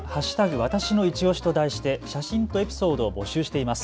わたしのいちオシと題して写真とエピソードを募集しています。